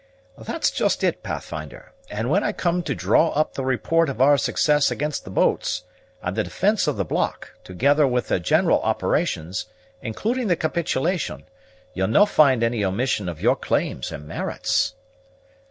"That's just it, Pathfinder; and when I come to draw up the report of our success against the boats, and the defence of the block, together with the general operations, including the capitulation, ye'll no' find any omission of your claims and merits."